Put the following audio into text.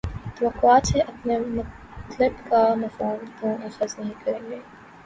توواقعات سے اپنے مطلب کا مفہوم کیوں اخذ نہیں کریں گے؟